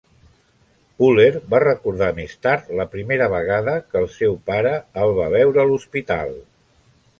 Puller va recordar més tard la primera vegada que el seu pare el va veure a l"hospital.